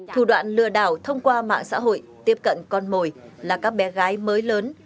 thủ đoạn lừa đảo thông qua mạng xã hội tiếp cận con mồi là các bé gái mới lớn